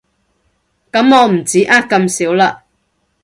噉我唔止呃咁少了